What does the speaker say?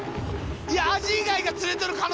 いやアジ以外が釣れとる可能性もある。